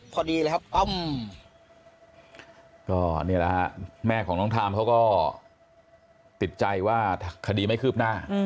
พอดีแล้วอ้อมแม่ของน้องทามเขาก็ติดใจว่าคดีไม่คืบหน้า